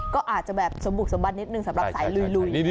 ก็อาจจะแบบสมบุกสมบัตินิดนึงสำหรับสายลุย